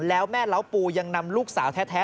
แล้วแม่เล้าปูยังนำลูกสาวแท้